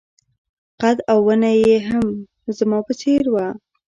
قد او ونه يې هم زما په څېر وه.